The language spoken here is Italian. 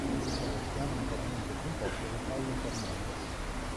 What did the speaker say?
Questa versione è interamente composta da Paula Fernandes.